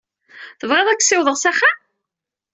Tebɣiḍ ad k-ssiwḍeɣ s axxam?